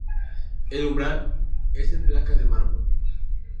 El umbral es en placa de mármol.